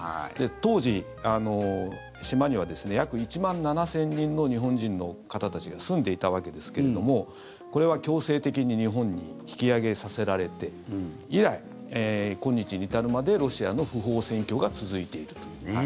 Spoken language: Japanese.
当時、島には約１万７０００人の日本人の方たちが住んでいたわけですけれどもこれは強制的に日本に引き揚げさせられて、以来今日に至るまでロシアの不法占拠が続いていると。